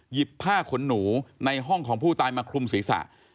ผ้าขนหนูในห้องของผู้ตายมาคลุมศีรษะ